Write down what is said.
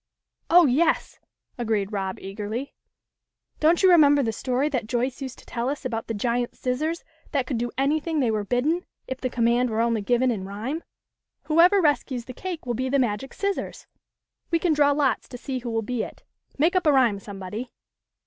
" Oh, yes," agreed Rob, eagerly. " Don't you remember the story that Joyce used to tell us about the Giant Scissors that could do anything they were bidden, if the command were only given in rhyme ? Whoever rescues the cake will be the magic Scissors. We can draw lots to see who will be it. Make up a rhyme somebody."